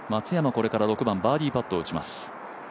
これから６番バーディーパットを打ちます。